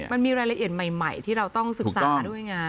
มันมีรายละเอียดใหม่ที่เราต้องศึกษาด้วยไง